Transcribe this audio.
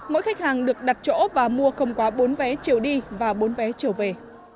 mỗi khách hàng được đặt chỗ và mua không quá bốn vé chiều đi và bốn vé chiều về